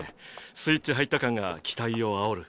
スイッチ入った感が期待をあおる。